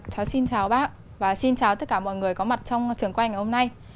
chào xin chào bác và xin chào tất cả mọi người có mặt trong trường quay ngày hôm nay